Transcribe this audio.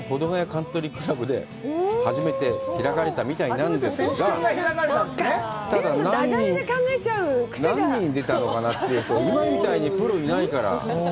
カントリー倶楽部で初めて開かれたみたいなんですが何人、出たのかなというと、今みたいにプロがいないから。